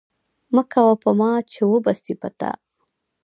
مه کوه په ما، چي وبه سي په تا